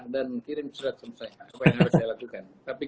dan kirim surat selesai